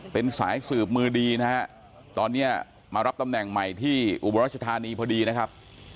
เป็นสายสืบมือดีนะฮะตอนนี้มารับตำแหน่งใหม่ที่อุบรัชธานีพอดีนะครับ